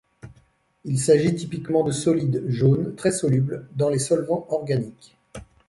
Il s'agit typiquement de solides jaunes très solubles dans les solvants organiques.